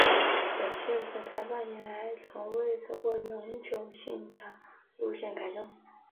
本线自开办以来从未做过永久性的路线改动。